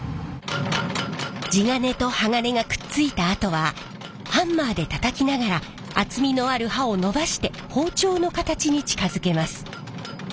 地金と鋼がくっついたあとはハンマーでたたきながら厚みのある刃をのばして包丁の形に近づけます。